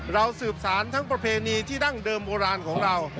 สืบสารทั้งประเพณีที่ดั้งเดิมโบราณของเรา